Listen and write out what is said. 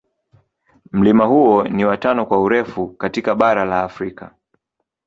Mlima huo ni wa tano kwa urefu katika bara la Afrika.